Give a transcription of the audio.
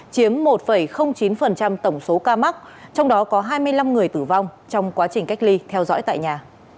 chiếm một chín tổng số ca mắc trong đó có hai mươi năm người tử vong trong quá trình cách ly theo dõi tại nhà